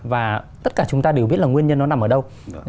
và tất cả chúng ta đều biết là nguyên nhân nó nằm ở đâu